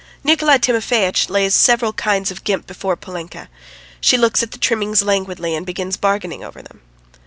Nickolay Timofeitch lays several kinds of gimp before Polinka; she looks at the trimmings languidly and begins bargaining over them.